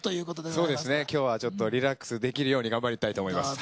そうですね今日はちょっとリラックスできるように頑張りたいと思います。